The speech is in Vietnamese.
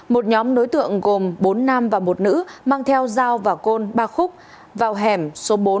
một nhóm đối tượng gồm bốn nam và một nữ mang theo dao và côn ba khúc vào hẻm số bốn